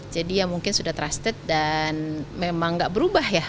jadi ya mungkin sudah trusted dan memang nggak berubah ya